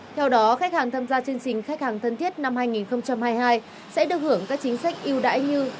theo đó khách hàng tham gia chương trình khách hàng thân thiết năm hai nghìn hai mươi hai sẽ được hưởng các chính sách yêu đãi như